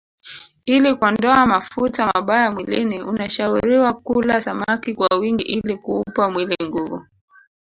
Ili kuondoa mafuta mabaya mwilini unashauriwa kula samaki kwa wingi ili kuupa mwili nguvu